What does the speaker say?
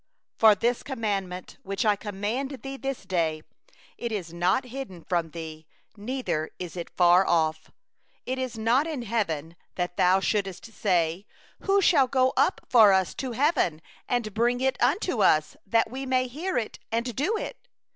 11For this commandment which I command thee this day, it is not too hard for thee, neither is it far off. 12It is not in heaven, that thou shouldest say: 'Who shall go up for us to heaven, and bring it unto us, and make us to hear it, that we may do it?